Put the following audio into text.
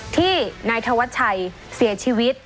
ที่นายธวัชชัยเสียชีวิต